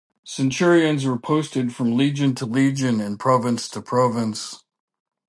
Centurions were posted from legion to legion and province to province.